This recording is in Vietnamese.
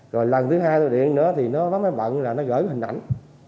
rồi lần thứ hai tôi điện nữa thì nó bắt máy bận là nó gửi hình ảnh